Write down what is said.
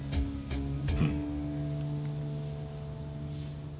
うん。